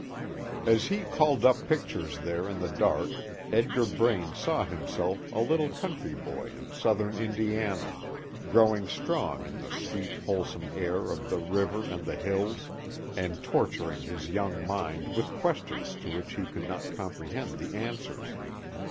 As he called up pictures there in the dark, Edgar Braine saw himself a little country boy in Southern Indiana, growing strong in the sweet, wholesome air of the river and the hills, and torturing his young mind with questions to which he could not comprehend the answers.